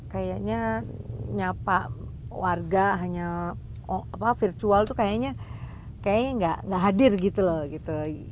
kayaknya nyapa warga hanya virtual tuh kayaknya kayaknya nggak hadir gitu loh gitu